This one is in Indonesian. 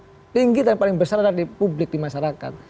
yang paling tinggi dan paling besar adalah di publik di masyarakat